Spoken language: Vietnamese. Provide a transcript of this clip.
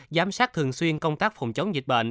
giám sát thường xuyên công tác phòng chống dịch bệnh